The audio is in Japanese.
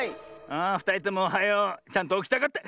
あふたりともおはよう。ちゃんとおきたかって。